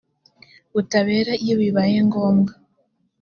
butabera iyo bibaye ngombwa